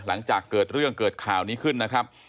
หลังจากเกิดเรื่องเกิดข่าวนี้ขึ้นนะครับ